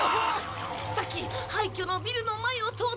さっき廃墟のビルの前を通ったでしょう？